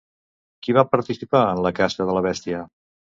Qui va participar en la caça de la bèstia?